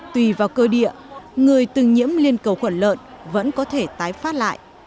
tùy vào cơ địa người từng nhiễm liên cầu khuẩn lợn vẫn có thể tái phát lại